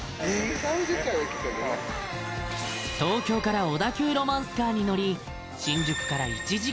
東京から小田急ロマンスカーに乗り